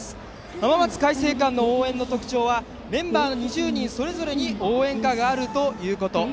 浜松開誠館の応援の特徴はメンバー２０人それぞれに応援歌があるということ。